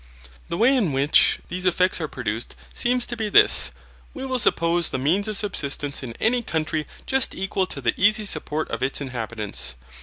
The way in which, these effects are produced seems to be this. We will suppose the means of subsistence in any country just equal to the easy support of its inhabitants.